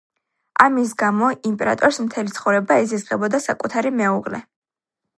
ამის გამო, იმპერატორს მთელი ცხოვრება ეზიზღებოდა საკუთარი მეუღლე.